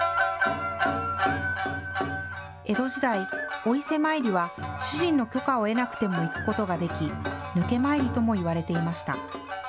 江戸時代、お伊勢参りは主人の許可を得なくても行くことができ、抜け参りともいわれていました。